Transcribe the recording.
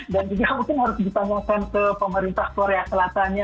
dan juga mungkin harus ditanyakan ke pemerintah korea selatanya